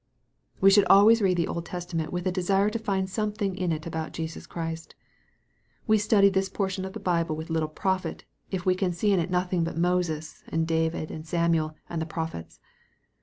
We should always read the Old Testament with a desirn to find something in it about Jesus Christ. We study this portion of the Bible with little profit, if we can see in it 4 EXPOSITORY THOUGHTS. nothing but Moses, and David, and Samuel, and ihe prophets.